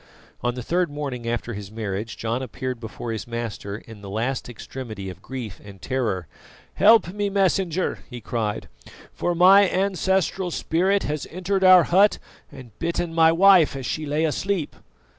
On the third morning after his marriage John appeared before his master in the last extremity of grief and terror. "Help me, Messenger!" he cried, "for my ancestral spirit has entered our hut and bitten my wife as she lay asleep."